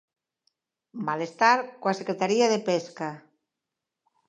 Malestar coa Secretaría de Pesca.